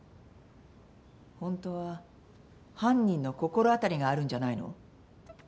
本当は犯人の心当たりがあるんじゃないの？